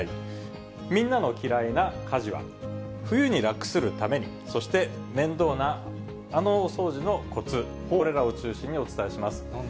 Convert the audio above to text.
みんなの嫌いな家事は、冬に楽するために、そして面倒なあのお掃除のコツ、これらを中心にお伝えします。